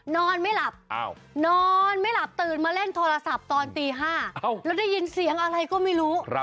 นอนไม่หลับนอนไม่หลับตื่นมาเล่นโทรศัพท์ตอนตี๕แล้วได้ยินเสียงอะไรก็ไม่รู้